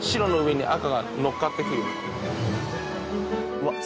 うわっ！